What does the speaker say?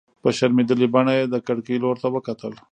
په شرمېدلې بڼه يې د کړکۍ لور ته وکتل.